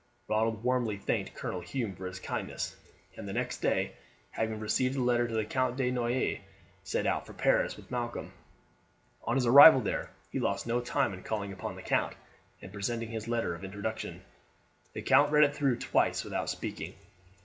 Ronald warmly thanked Colonel Hume for his kindness, and the next day, having received the letter to the Count de Noyes, set out for Paris with Malcolm. On his arrival there he lost no time in calling upon the count, and presenting his letter of introduction. The count read it through twice without speaking.